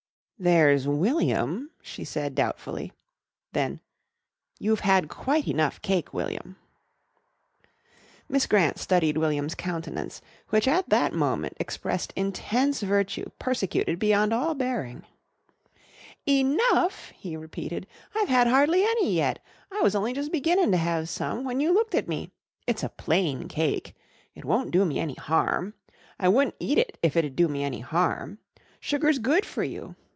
"There's William," she said doubtfully. Then, "You've had quite enough cake, William." Miss Grant studied William's countenance, which at that moment expressed intense virtue persecuted beyond all bearing. "Enough!" he repeated. "I've had hardly any yet. I was only jus' beginning to have some when you looked at me. It's a plain cake. It won't do me any harm. I wu'nt eat it if it'd do me any harm. Sugar's good for you.